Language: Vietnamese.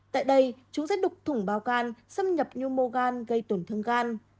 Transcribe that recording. tại đây chúng sẽ đục thủng bao gan xâm nhập như mô gan gây tổn thương gan